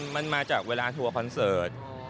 มันมาจากเวลาทัวร์คอนเสิร์ต